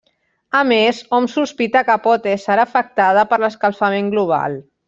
A més, hom sospita que pot ésser afectada per l'escalfament global.